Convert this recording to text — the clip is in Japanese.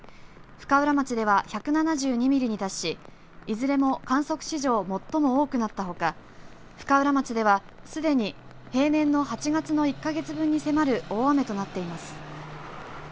深浦町では１７２ミリに達しいずれも観測史上最も多くなったほか深浦町ではすでに平年の８月の１か月分に迫る大雨となっています。